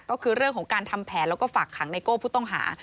ก็คือเรื่องของการทำแผนแล้วก็ฝากขังไนโก้ผู้ต้องหา